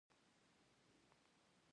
کورس د علم د پرمختګ لاره ده.